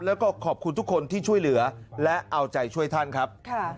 แล้วก็ขอบคุณทุกคนที่ช่วยเหลือและเอาใจช่วยท่านครับ